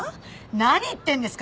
何言ってんですか！